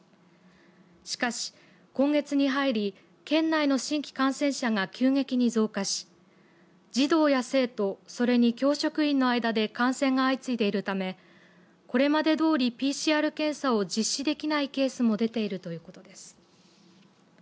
しかし、今月に入り県内の新規感染者が急激に増加し児童や生徒それに教職員の間で感染が相次いでいるためこれまでどおりＰＣＲ検査を実施できないケースも出ているということです。